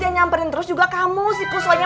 yang nyamperin terus juga kamu si kusoynya